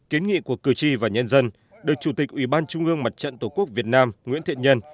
kiến nghị của cử tri và nhân dân được chủ tịch ủy ban trung ương mặt trận tổ quốc việt nam nguyễn thiện nhân